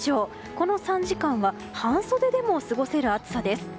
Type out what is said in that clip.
この３時間は半袖でも過ごせる暑さです。